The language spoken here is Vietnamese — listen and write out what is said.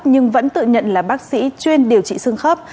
nhưng vẫn tự nhận là bác sĩ chuyên điều trị xương khớp